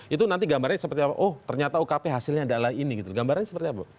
itu nanti gambarnya seperti apa oh ternyata ukp hasilnya adalah ini gitu gambarannya seperti apa